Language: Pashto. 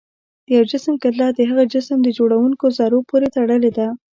د یو جسم کتله د هغه جسم د جوړوونکو ذرو پورې تړلې ده.